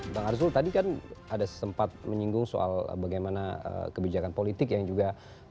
bang arzul tadi kan ada sempat menyinggung soal bagaimana kebijakan politik yang juga